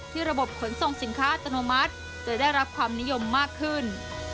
ระบบขนส่งสินค้าอัตโนมัติจะได้รับความนิยมมากขึ้น